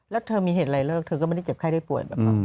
แล้วเธอมีเหตุอะไรเลิกเธอก็ไม่ได้เจ็บไข้ได้ป่วยแบบนั้น